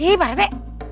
ih pak rete